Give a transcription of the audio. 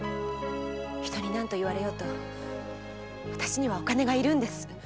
人に何と言われようとわたしにはお金が要るんです！